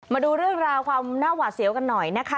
มาดูเรื่องราวความหน้าหวาดเสียวกันหน่อยนะคะ